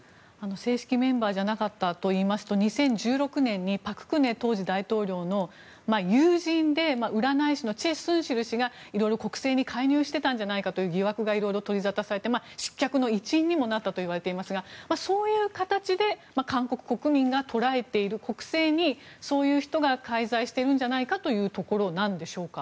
正式メンバーじゃなかったといいますと２０１６年に当時、朴槿惠大統領の友人で占い師のチェ・スンシル氏が色々、国政に介入していたんじゃないかという疑惑が色々、取り沙汰されて失脚の一因になったともいわれていますがそういう形で韓国国民が捉えている国政にそういう人が介在しているんじゃないかというところなんでしょうか。